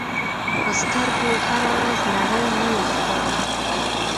په سترګو هره ورځ نړۍ نوې ښکاري